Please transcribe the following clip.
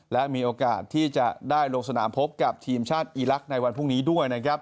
และมีโอกาสที่จะได้ลงสนามพบกับทีมชาติอีลักษณ์ในวันพรุ่งนี้ด้วยนะครับ